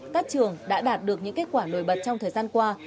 các trường đã đạt được những kết quả nổi bật trong thời gian qua